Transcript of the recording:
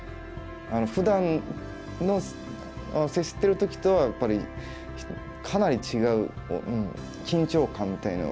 ふだんの接してる時とはやっぱりかなり違う緊張感みたいなのを。